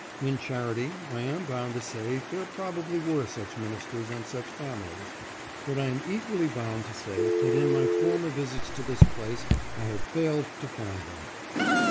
In charity I am bound to say there probably were such ministers and such families, but I am equally bound to say that in my former visits to this place I had failed to find them.